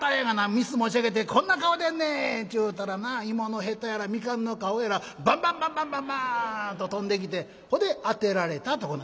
御簾持ち上げて『こんな顔でんねん』って言うたらな芋のへたやらみかんの皮やらバンバンバンバンバンバーンッと飛んできてほんで『当てられた』とこない言うてん」。